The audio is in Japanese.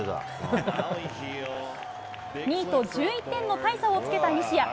２位と１１点の大差をつけた西矢。